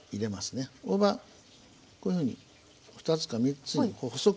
大葉こういうふうに２つか３つにこう細く折って。